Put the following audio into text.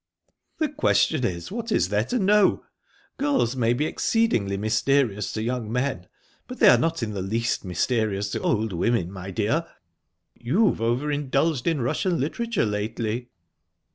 "The question is, what is there to know? Girls may be exceedingly mysterious to young me, but they're not in the least mysterious to old women, my dear. You've over indulged in Russian literature lately."